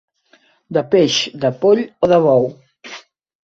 De peix, de poll o de bou.